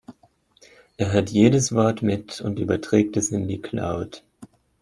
Er hört jedes Wort mit und überträgt es in die Cloud.